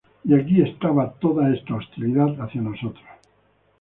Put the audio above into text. Y aquí estaba toda esta hostilidad hacia nosotros.